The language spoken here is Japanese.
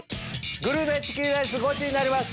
グルメチキンレースゴチになります！